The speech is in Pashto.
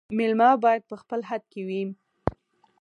مېلمه باید په خپل حد کي وي